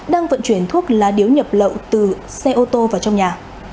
đang vận chuyển thuốc lá điếu nhập lậu từ xe ô tô vào trong nhà